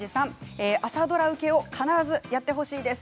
朝ドラ受けを必ずやってほしいです。